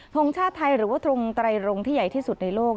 ทรงชาติไทยหรือว่าทงไตรรงที่ใหญ่ที่สุดในโลก